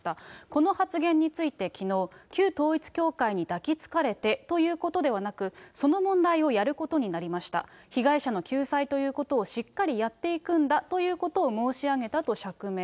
この発言について、きのう、旧統一教会に抱きつかれてということではなく、その問題をやることになりました、被害者の救済ということをしっかりやっていくんだということを申し上げたと釈明。